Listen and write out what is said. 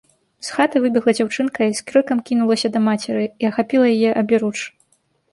З хаты выбегла дзяўчынка і з крыкам кінулася да мацеры і ахапіла яе аберуч.